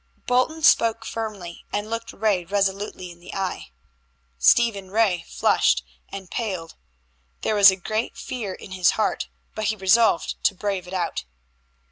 Bolton spoke firmly, and looked Ray resolutely in the eye. Stephen Ray flushed and paled. There was a great fear in his heart, but he resolved to brave it out.